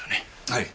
はい。